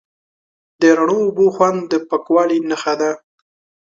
د رڼو اوبو خوند د پاکوالي نښه ده.